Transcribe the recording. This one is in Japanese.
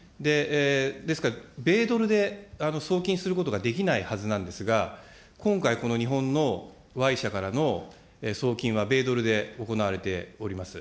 ですから、米ドルで送金することができないはずなんですが、今回、この日本のＹ社からの送金は米ドルで行われております。